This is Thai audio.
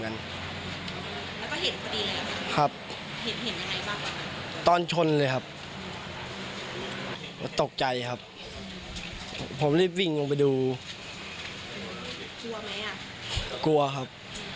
แล้วตอนนี้ภาพติดตาอะไรแบบนี้ไหมครับ